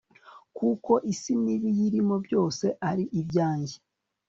kuko isi n'ibiyirimo byose ari ibyanjye